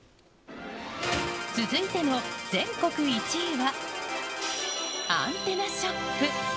続いての全国の１位は、アンテナショップ。